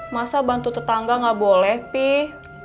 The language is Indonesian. masa bantu tetangga gak boleh pih